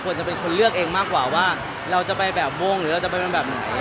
จะเป็นคนเลือกเองมากกว่าว่าเราจะไปแบบม่วงหรือเราจะไปเป็นแบบไหน